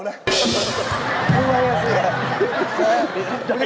รวย